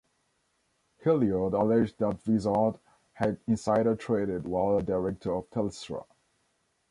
Hilliard alleged that Vizard had insider traded while a director of Telstra.